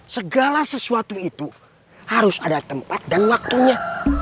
segala sesuatu itu harus ada tempat dan waktunya